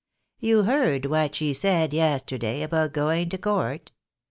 You heard what she said yesterday about going to court